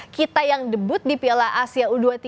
kita yang debut di piala asia u dua puluh tiga